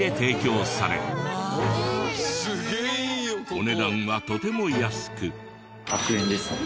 お値段はとても安く。